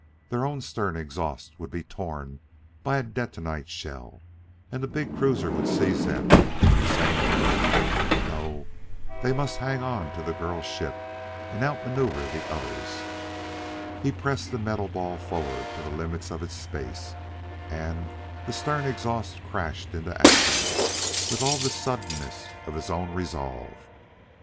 Their own stern exhaust would be torn by a detonite shell, and the big cruiser would seize them in the same way. No they must hang onto the girl's ship and outmaneuver the others. He pressed the metal ball forward to the limit of its space, and the stern exhaust crashed into action with all the suddenness of his own resolve.